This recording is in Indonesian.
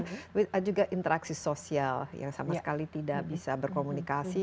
tapi ada juga interaksi sosial yang sama sekali tidak bisa berkomunikasi